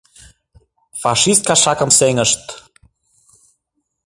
Фашист кашакым сеҥышт.